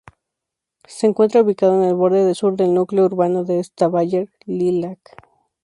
Se encuentra ubicada en el borde sur del núcleo urbano de Estavayer-le-Lac.